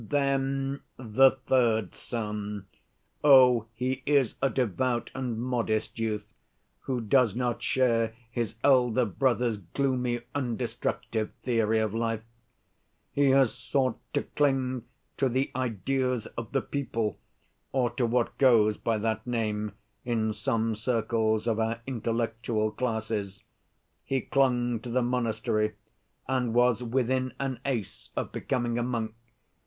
"Then the third son. Oh, he is a devout and modest youth, who does not share his elder brother's gloomy and destructive theory of life. He has sought to cling to the 'ideas of the people,' or to what goes by that name in some circles of our intellectual classes. He clung to the monastery, and was within an ace of becoming a monk.